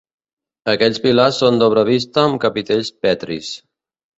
Aquests pilars són d'obra vista amb capitells petris.